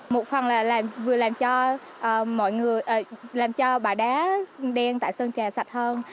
một phần là vừa làm cho bà đá đen tại sơn trà sạch hơn